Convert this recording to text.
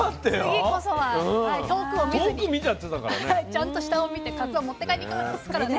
ちゃんと下を見てかつお持って帰ってきますからね。